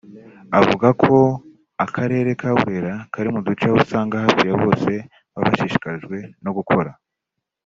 avuga ko Akarere ka Burera kari mu duce aho usanga hafi ya bose baba bashishikajwe no gukora